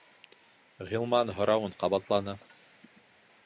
Ғилман һорауын ҡабатланы: